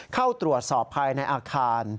เข้าตรวจสอบภายในอาคาร